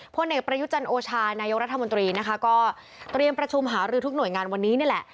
พลเอกประยุจันทร์โอชานายกรัฐมนตรีนะคะก็เตรียมประชุมหารือทุกหน่วยงานวันนี้นี่แหละ